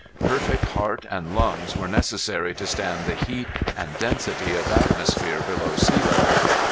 Perfect heart and lungs were necessary to stand the heat and density of atmosphere below sea level.